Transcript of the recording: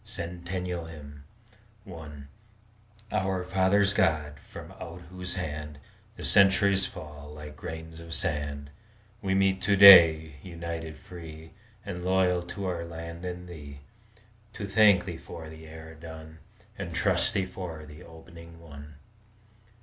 CENTENNIAL HYMN I Our fathers' God! from out whose hand The centuries fall like grains of sand, We meet to day, united, free, And loyal to our land and Thee, To thank Thee for the era done, And trust Thee for the opening one.